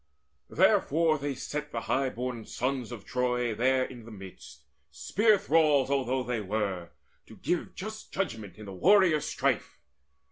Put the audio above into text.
Therefore they set the high born sons of Troy There in the midst, spear thralls although they were, To give just judgment in the warriors' strife.